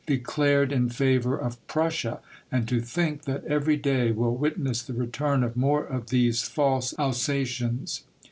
— declared in favor of Prussia; and to think that every day will witness the return of more of these false Alsatians